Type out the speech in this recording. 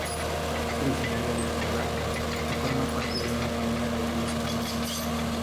Es originario de Jordania y forma parte de una familia de diez hermanos.